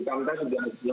jangan sangat tepat